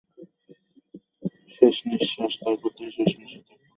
তারপর তিনি শেষ নিঃশ্বাস ত্যাগ করলেন।